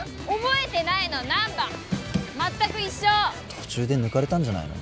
途中で抜かれたんじゃないの？